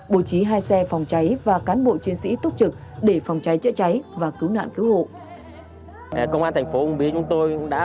bố trí hai xe phòng cháy và cán bộ chiến sĩ túc trực để phòng cháy chữa cháy và cứu nạn cứu hộ